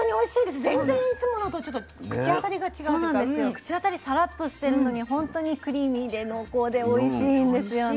口当たりさらっとしてるのにほんとにクリーミーで濃厚でおいしいんですよね。